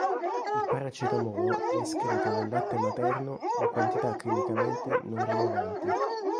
Il paracetamolo è escreto nel latte materno in quantità clinicamente non rilevanti.